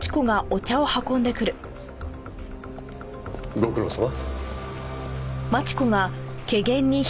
ご苦労さま。